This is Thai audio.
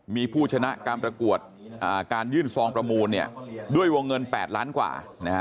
มีผู้ชนะการประกวดการยื่นซองประมูลด้วยวงเงิน๘ล้านกว่า